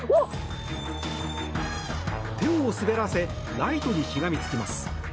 手を滑らせライトにしがみつきます。